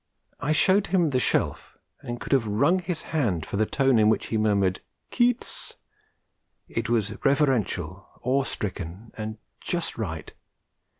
I showed him the Shelf, and could have wrung his hand for the tone in which he murmured 'Keats!' It was reverential, awe stricken and just right.